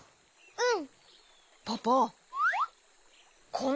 うん。